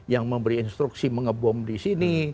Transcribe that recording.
yang memberi instruksi mengebom di sini